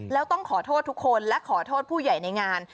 แล้วต้องขอโทษทุกคนและขอโทษผู้ใหญ่ในงาน